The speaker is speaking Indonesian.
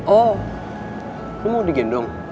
oh lo mau digendong